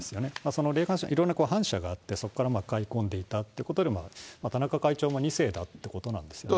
その霊感商法、いろいろはんしゃがあって、そこから買い込んでいたということでも、田中会長も２世だったっていうことですよね。